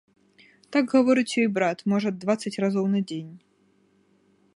Так гаворыць ёй брат, можа, дваццаць разоў на дзень.